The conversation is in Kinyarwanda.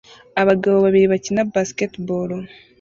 abagabo babiri bakina basketball